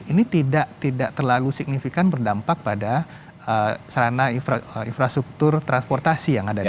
ini tidak terlalu signifikan berdampak pada serana infrastruktur transportasi yang ada di sana